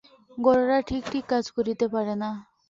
গোঁড়ারা ঠিক ঠিক কাজ করিতে পারে না।